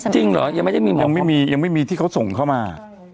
จริงหรอยังไม่มีที่เขาส่งเข้ามา